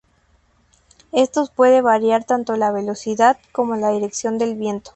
Estos pueden variar tanto la velocidad, como la dirección del viento.